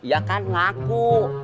ya kan ngaku